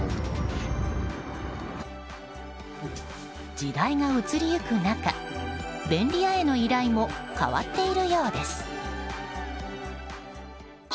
時代が移り行く中便利屋への依頼も変わっているようです。